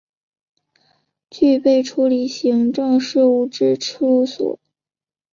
具备处理行政事务之处所